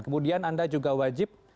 kemudian anda juga wajib